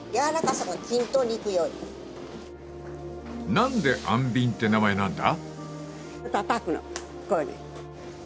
［何であんびんって名前なんだ？］